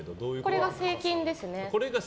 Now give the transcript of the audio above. これが成菌ですね。